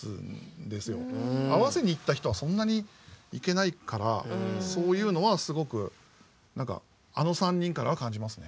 合わせに行った人はそんなにいけないからそういうのはすごく何かあの３人からは感じますね。